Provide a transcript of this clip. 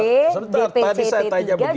sebentar tadi saya tanya begini